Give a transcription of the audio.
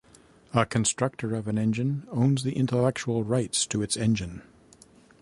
A constructor of an engine owns the intellectual rights to its engine.